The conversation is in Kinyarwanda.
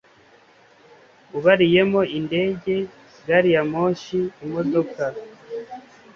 ubariyemo indege, gari ya moshi, imodoka…